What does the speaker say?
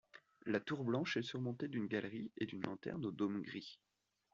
La tour blanche est surmontée d'une galerie et d'une lanterne au dôme gris.